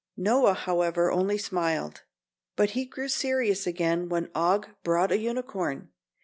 Noah, however, only smiled; but he grew serious again when Og brought a unicorn.